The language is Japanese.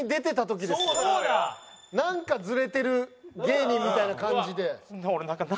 「なんかズレてる芸人」みたいな感じで。